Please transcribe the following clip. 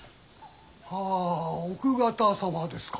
はぁ奥方様ですか？